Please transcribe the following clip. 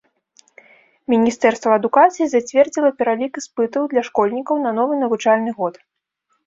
Міністэрства адукацыі зацвердзіла пералік іспытаў для школьнікаў на новы навучальны год.